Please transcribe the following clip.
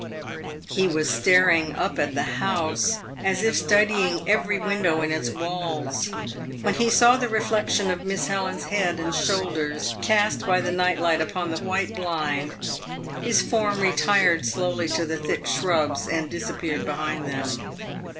He was staring up at the house, as if studying every window in its walls. When he saw the reflexion of Miss Helen's head and shoulders cast by the night light upon the white blind, his form retired slowly to the thick shrubs, and disappeared behind them.